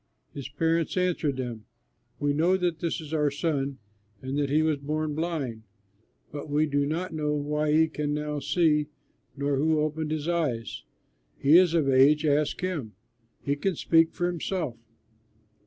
His parents answered them, "We know that this is our son and that he was born blind, but we do not know why he can now see nor who opened his eyes. He is of age; ask him, he can speak for himself."